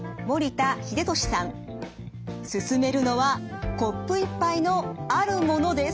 勧めるのはコップ１杯のあるものです。